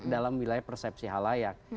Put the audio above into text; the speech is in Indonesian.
dalam wilayah persepsi halayak